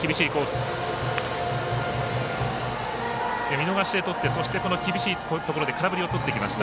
見逃しでとって厳しいところで空振りをとってきました。